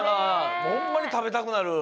ホンマに食べたくなる！